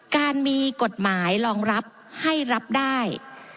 การมีกฎหมายรองรับให้รับได้